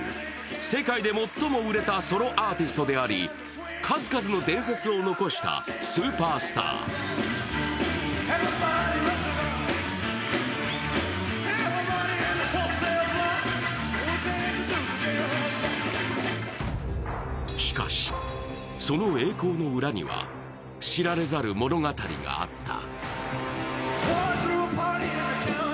世界で最も売れたソロアーティストであり数々の伝説を残したスーパースターしかし、その栄光の裏には知られざる物語があった。